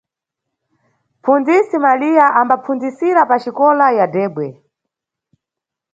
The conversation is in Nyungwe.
Mʼpfundzisi Maliya ambapfundzisira paxikola ya Dhegwe.